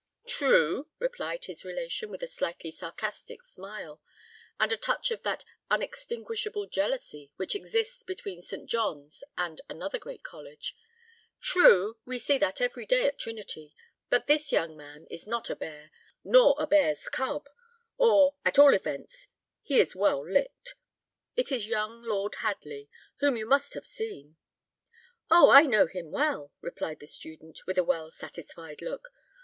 "True," replied his relation, with a slightly sarcastic smile, and a touch of that unextinguishable jealousy which exists between St. John's and another great college "true; we see that every day at Trinity; but this young man is not a bear, nor a bear's cub; or, at all events, he is well licked. It is young Lord Hadley, whom you must have seen." "Oh! I know him well," replied the student, with a well satisfied look.